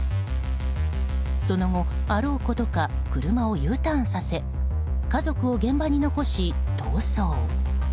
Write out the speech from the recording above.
その後、あろうことか車をＵターンさせ家族を現場に残し、逃走。